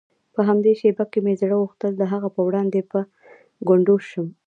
په همدې شېبه کې مې زړه غوښتل د هغه په وړاندې په ګونډو شم.